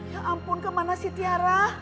ya ampun kemana sih tiara